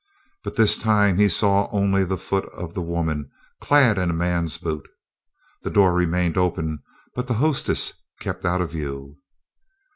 But this time he saw only the foot of the woman clad in a man's boot. The door remained open, but the hostess kept out of view.